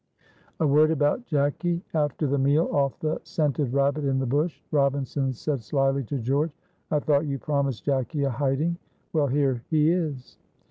A word about Jacky. After the meal off the scented rabbit in the bush, Robinson said slyly to George: "I thought you promised Jacky a hiding well, here he is."